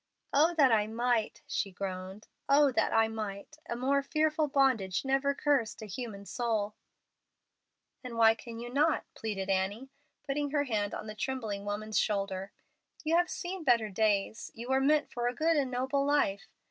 "Oh that I might!" she groaned. "Oh that I might! A more fearful bondage never cursed a human soul!" "And why can you not?" pleaded Annie, putting her hand on the trembling woman's shoulder. "You have seen better days. You were meant for a good and noble life.